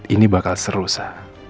ini bakal seru sa